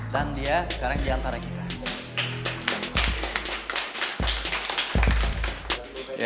dan dia sekarang di antara kita